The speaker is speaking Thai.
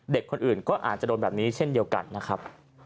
เด็กคนอื่นก็อาจจะโดนแบบนี้เช่นเดียวกันนะครับ